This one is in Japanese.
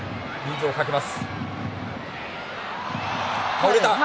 倒れた。